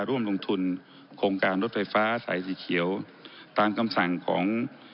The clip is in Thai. ร่วมลงทุนโครงการรถไฟฟ้าสายสีเขียวตามคำสั่งของ